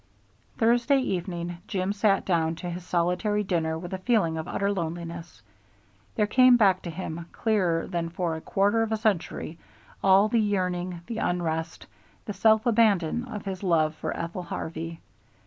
Thursday evening Jim sat down to his solitary dinner with a feeling of utter loneliness. There came back to him, clearer than for a quarter of a century, all the yearning, the unrest, the self abandon of his love for Ethel Harvey.